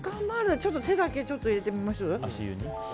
ちょっと手だけ入れてみます。